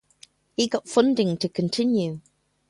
He got funding to continue.